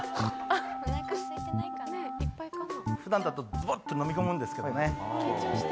ふだんだと、ずぼっと飲み込むんですけどね。